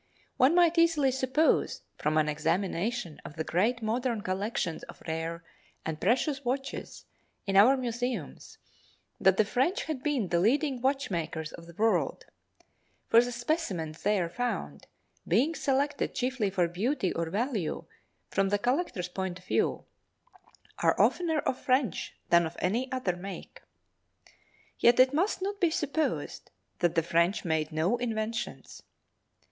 One might easily suppose, from an examination of the great modern collections of rare and precious watches in our museums that the French had been the leading watchmakers of the world, for the specimens there found being selected chiefly for beauty or value from the collector's point of view, are oftener of French than of any other make. Yet it must not be supposed that the French made no inventions.